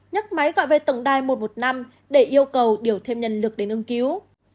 nhắc máy gọi về tổng đài một trăm một mươi năm để yêu cầu điều thêm nhân lực đến ứng cứu